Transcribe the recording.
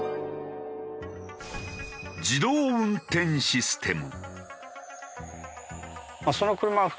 自動運転システム。